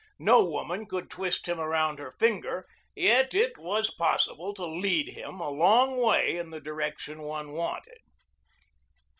No woman could twist him around her finger, yet it was possible to lead him a long way in the direction one wanted.